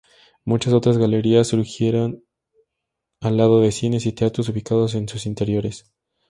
Muchas otras galerías surgieron al lado de cines y teatros ubicados en sus interiores.